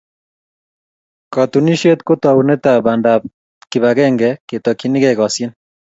Katunisyet ko taunetab bandab kibagenge ketokchinigei kosyin.